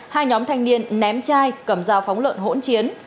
hai nhóm thanh niên ném chai cầm dao phóng lợn hỗn chiến